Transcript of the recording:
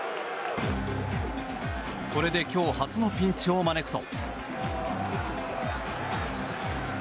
これで今日初のピンチを招くと。